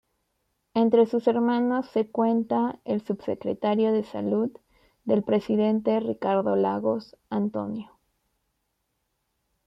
Entre sus hermanos se cuenta el subsecretario de Salud del presidente Ricardo Lagos, Antonio.